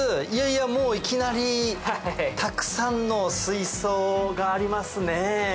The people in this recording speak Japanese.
もういきなりたくさんの水槽がありますね。